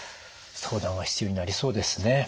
相談は必要になりそうですね。